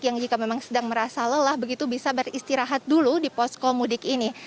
yang jika memang sedang merasa lelah begitu bisa beristirahat dulu di posko mudik ini